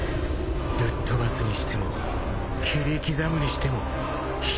ぶっ飛ばすにしても切り刻むにしても一仕事だな。